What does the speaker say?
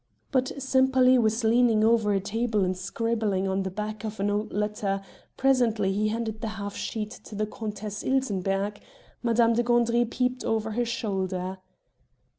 But Sempaly was leaning over a table and scribbling on the back of an old letter; presently he handed the half sheet to the Countess Ilsenbergh; Madame de Gandry peeped over her shoulder.